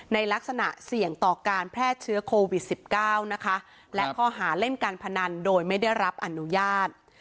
ในลักษณะเสี่ยงต่อการแพร่เชื้อโควิด๑๙นะคะและข้อหาเล่นการพนันโดยไม่ได้รับอนุญาต